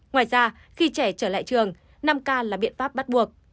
ngoài ra khi trẻ trở lại trường năm k là biện pháp bắt buộc